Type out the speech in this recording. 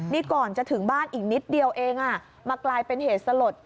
นี่ก่อนจะถึงบ้านอีกนิดเดียวเองมากลายเป็นเหตุสลด